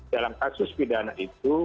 dalam kasus pidana itu